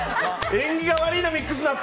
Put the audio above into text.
縁起が悪いな、ミックスナッツ。